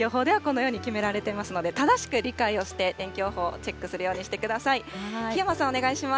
天気予報ではこのように決められていますので、正しく理解をして天気予報をチェックするようにしてください。